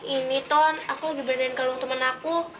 ini ton aku lagi bandingin kalung temen aku